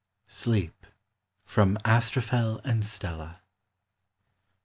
SLEEP. FROM " ASTROPHEL AXD STELLA."